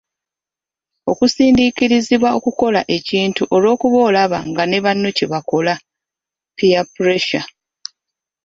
Okusindiikirizibwa okukola ekintu olw'okuba olaba nga ne banno kye bakola (peer pressure).